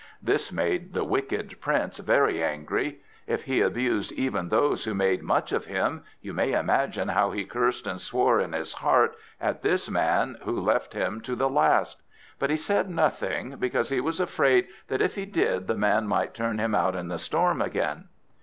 This made the Wicked Prince very angry. If he abused even those who made much of him, you may imagine how he cursed and swore in his heart at this man who left him to the last! But he said nothing, because he was afraid that if he did the man might turn him out in the storm again.